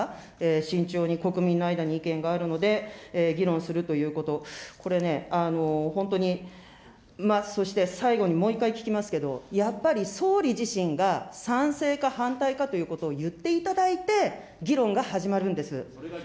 慎重に国民の間に意見があるので、議論するということ、これね、本当に、そして最後にもう一回聞きますけど、やっぱり総理自身が賛成か反対かということを言っていただいて、議論が始まるんです。